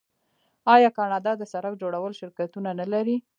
آیا کاناډا د سړک جوړولو شرکتونه نلري؟